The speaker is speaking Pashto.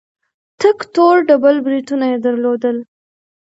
تک تور ډبل برېتونه يې درلودل.